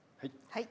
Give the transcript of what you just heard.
はい。